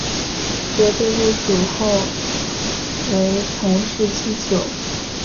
刘备入蜀后为从事祭酒。